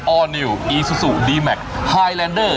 อร์นิวอีซูซูดีแมคไฮแลนเดอร์